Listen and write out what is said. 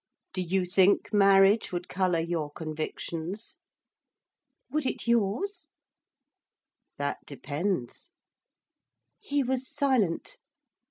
] 'And you, do you think marriage would colour your convictions?' 'Would it yours?' 'That depends.' He was silent.